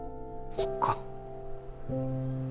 そっか。